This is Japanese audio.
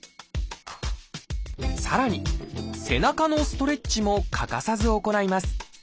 さらに「背中のストレッチ」も欠かさず行います。